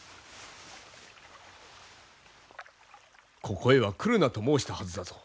ここへは来るなと申したはずだぞ。